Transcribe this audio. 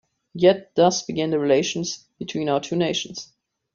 Yet thus began the relations between our two Nations.